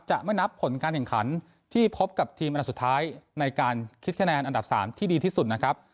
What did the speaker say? จะไม่นับผลการแข่งขันที่พบกับทีมอันดับสุดท้ายในการคิดคะแนนอันดับ๓ที่ดีที่สุดนะครับ